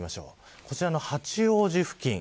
こちらの八王子付近。